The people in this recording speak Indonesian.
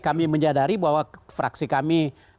kami menyadari bahwa fraksi kami